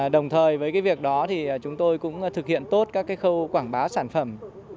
đồng thời với việc đó chúng tôi cũng thực hiện tốt các khâu quảng báo sản phẩm